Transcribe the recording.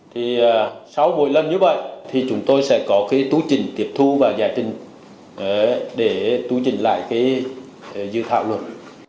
thì sau buổi lần như vậy thì chúng tôi sẽ có cái tú trình kiệp thu và giải trình để tú trình lại cái dự thạo luật